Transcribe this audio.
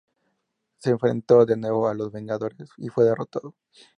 Se enfrentó de nuevo a los Vengadores y fue derrotado.